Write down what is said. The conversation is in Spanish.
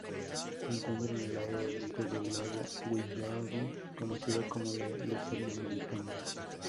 Se encuentra en el lado oeste del lago Willoughby conocido como la "Lucerna americana".